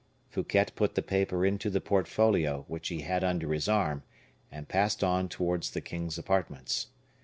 Fouquet put the paper into the portfolio which he had under his arm, and passed on towards the king's apartments.